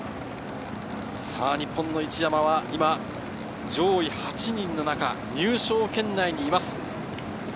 日本の一山は上位８人の中、入賞圏内にいます。